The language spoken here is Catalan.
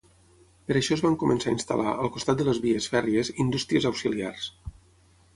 Per això es van començar a instal·lar, al costat de les vies fèrries, indústries auxiliars.